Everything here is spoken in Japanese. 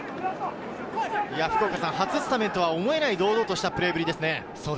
初スタメンとは思えない堂々としたプレーぶりですね。